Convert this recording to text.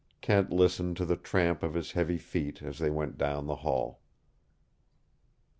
Kent listened to the tramp of his heavy feet as they went down the hall.